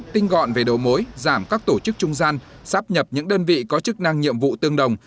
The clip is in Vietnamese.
tinh gọn về đầu mối giảm các tổ chức trung gian sắp nhập những đơn vị có chức năng nhiệm vụ tương đồng